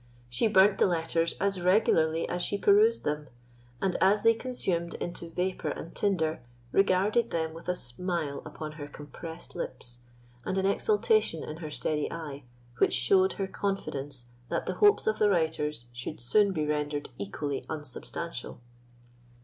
She burnt the papers as regularly as she perused them; and as they consumed into vapour and tinder, regarded them with a smile upon her compressed lips, and an exultation in her steady eye, which showed her confidence that the hopes of the writers should soon be rendered equally unsubstantial.